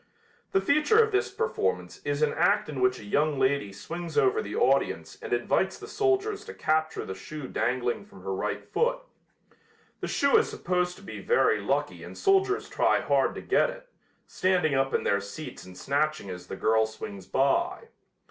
The feature of this performance is an act in which a young lady swings over the audience and invites the soldiers to capture the shoe dangling from her right foot. The shoe is supposed to be very lucky and soldiers try hard to get it, standing up in their seats and snatching as the girl swings by.